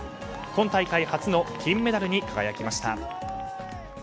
今大会初の金メダルに輝きました。